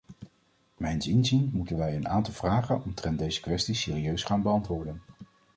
Mijns inziens moeten wij een aantal vragen omtrent deze kwestie serieus gaan beantwoorden.